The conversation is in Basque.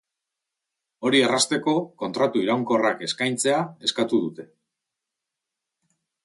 Hori errazteko, kontratu iraunkorrak eskaintzea eskatu dute.